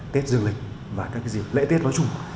tết dương lịch và các cái gì lễ tết nói chung